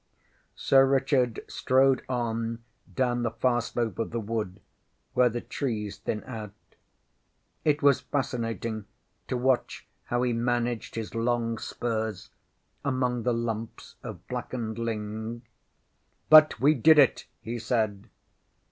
ŌĆÖ Sir Richard strode on down the far slope of the wood, where the trees thin out. It was fascinating to watch how he managed his long spurs among the lumps of blackened ling. ŌĆśBut we did it! ŌĆÖ he said.